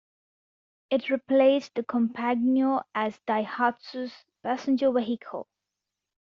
It replaced the Compagno as Daihatsu's passenger vehicle.